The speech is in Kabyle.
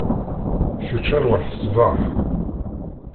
Kečč arwaḥ ṣbeḥ.